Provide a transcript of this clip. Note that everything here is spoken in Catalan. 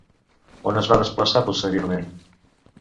On es va desplaçar posteriorment?